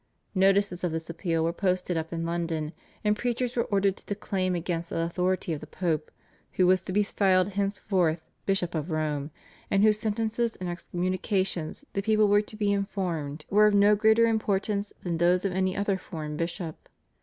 Notices of this appeal were posted up in London, and preachers were ordered to declaim against the authority of the Pope, who was to be styled henceforth Bishop of Rome, and whose sentences and excommunications, the people were to be informed, were of no greater importance than those of any other foreign bishop.